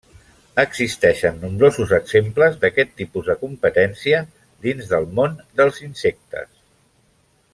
Existeixen nombrosos exemples d'aquest tipus de competència dins del món dels insectes.